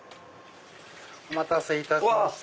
お待たせいたしました